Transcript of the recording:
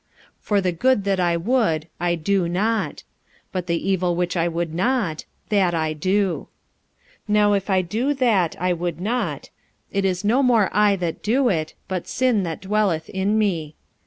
45:007:019 For the good that I would I do not: but the evil which I would not, that I do. 45:007:020 Now if I do that I would not, it is no more I that do it, but sin that dwelleth in me.